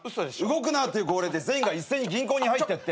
「動くな」っていう号令で全員が一斉に銀行に入ってって。